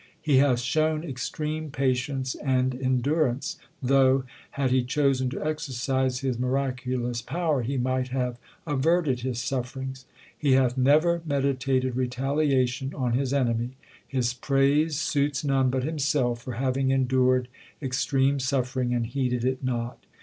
He hath shown extreme patience and endurance, though, had he chosen to exercise his miraculous power, he might have averted his sufferings. He hath never meditated retaliation on his enemy ; his praise suits rione but himself for having endured extreme suffering and heeded it not.